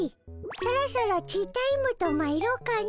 そろそろティータイムとまいろうかの。